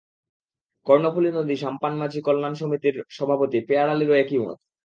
কর্ণফুলী নদী সাম্পান মাঝি কল্যাণ সমিতির সভাপতি পেয়ার আলীরও একই মত।